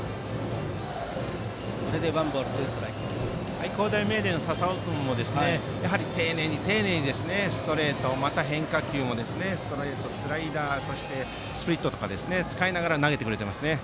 愛工大名電の笹尾君も丁寧に丁寧にストレート、また変化球もスライダーやそして、スプリットとかを使いながら投げていますね。